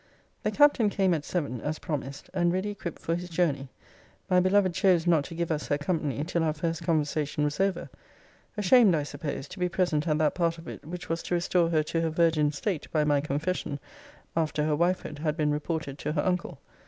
The Captain came at seven, as promised, and ready equipped for his journey. My beloved chose not to give us her company till our first conversation was over ashamed, I suppose, to be present at that part of it which was to restore her to her virgin state by my confession, after her wifehood had been reported to her uncle.